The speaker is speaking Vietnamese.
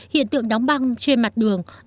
hiện tượng đóng băng trên mặt đường